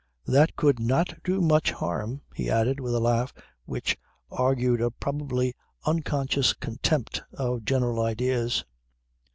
"That could not do much harm," he added with a laugh which argued a probably unconscious contempt of general ideas.